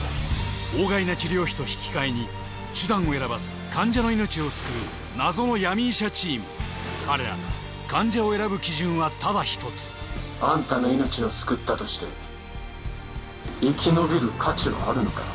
法外な治療費と引き換えに手段を選ばず患者の命を救う彼らが患者を選ぶ基準はただ一つあんたの命を救ったとして生き延びる価値はあるのか？